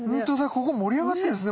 ここ盛り上がってるんですね